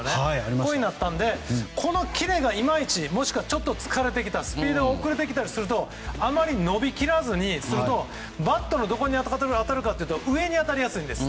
こういうのがあったのでこのキレがいまいちスピードが遅れてきたりするとあまり伸び切らずにバットのどこに当たるかというと上に当たりやすいんです。